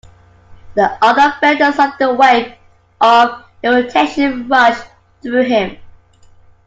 The other felt a sudden wave of irritation rush through him.